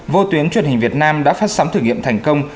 vô tuyến truyền hình việt nam đã phát sóng thử nghiệm thành công